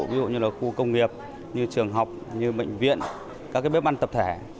ví dụ như là khu công nghiệp như trường học như bệnh viện các bếp ăn tập thể